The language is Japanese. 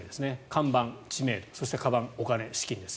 看板、知名度そして、かばんお金、資金です。